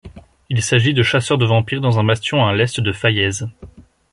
Il s'agit de chasseurs de vampires dans un bastion à l'est de Faillaise.